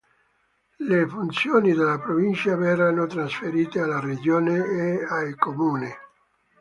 Le funzioni della Provincia verranno trasferite alla Regione e ai Comuni.